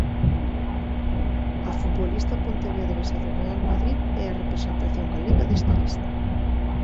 A futbolista pontevedresa do Real Madrid é a representación galega desta lista.